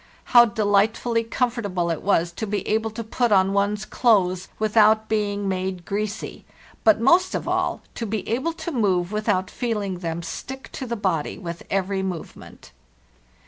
How delightfully comfortable it was to be able to put on one's clothes without being made greasy, but, most of all, to be able to move with out feeling them stick to the body with every movement!